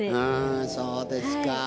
うんそうですか。